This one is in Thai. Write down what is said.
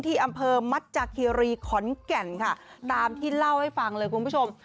ที่อำเภอมัจจากคีรีขอนแก่นค่ะตามที่เล่าให้ฟังเลยคุณผู้ชม